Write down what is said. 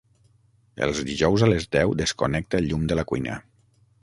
Els dijous a les deu desconnecta el llum de la cuina.